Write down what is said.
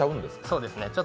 そうですね。